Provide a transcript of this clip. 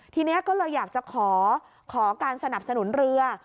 ทีนี้ก็เลยอยากจะขอการสนับสนุนเรือ